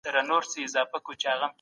چې داسې یو ښکلی نبات لري.